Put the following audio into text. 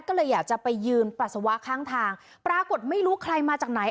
ก็เลยอยากจะไปยืนปัสสาวะข้างทางปรากฏไม่รู้ใครมาจากไหน